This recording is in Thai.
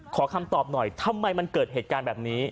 ขอคำตอบหน่อยทำไมมันเกิดเหตุการณ์แบบนี้